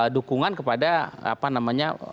dukungan kepada apa namanya